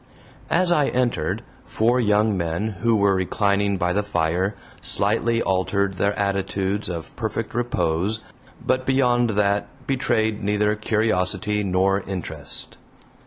As I entered, four young men who were reclining by the fire slightly altered their attitudes of perfect repose, but beyond that betrayed neither curiosity nor interest.